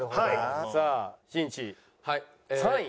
さあしんいち３位。